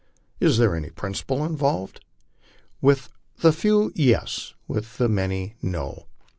Is there any principle involved? With the few, yes; with the many, no.